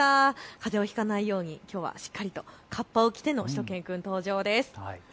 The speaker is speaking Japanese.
かぜをひかないようにきょうはしっかりとカッパを着てのしゅと犬くん登場です。